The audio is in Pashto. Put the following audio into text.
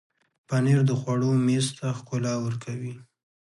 پنېر د خوړو میز ته ښکلا ورکوي.